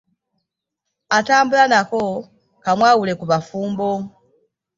Atambula nako kamwawule ku bafumbo .